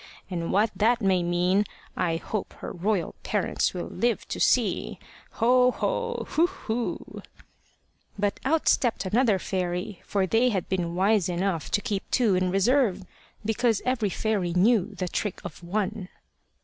And what that may mean I hope her royal parents will live to see. Ho, ho! Hu, hu!" But out stepped another fairy, for they had been wise enough to keep two in reserve, because every fairy knew the trick of one.